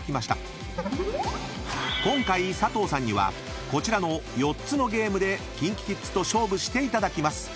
［今回佐藤さんにはこちらの４つのゲームでＫｉｎＫｉＫｉｄｓと勝負していただきます］